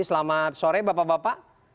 selamat sore bapak bapak